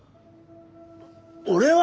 俺は！